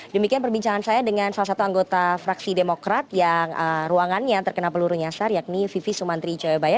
demikian perbincangan saya dengan salah satu anggota fraksi demokrat yang ruangannya terkena peluru nyasar yakni vivi sumantri jayabaya